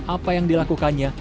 apa yang dilakukannya